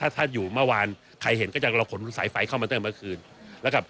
ถ้าท่านอยู่เมื่อวานใครเห็นก็จะเราขนสายไฟเข้ามาเติมเมื่อคืนแล้วก็